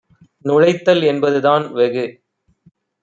நுழைத்தல் என்பதுதான் - வெகு